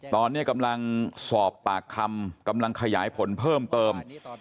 ตอนนี้กำลังสอบปากคำกำลังขยายผลเพิ่มเติม